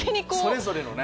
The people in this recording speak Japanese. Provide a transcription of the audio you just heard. それぞれのね。